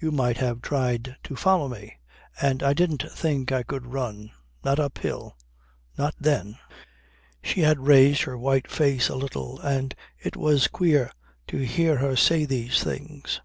You might have tried to follow me and I didn't think I could run not up hill not then." She had raised her white face a little, and it was queer to hear her say these things.